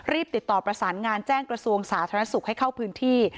ติดต่อประสานงานแจ้งกระทรวงสาธารณสุขให้เข้าพื้นที่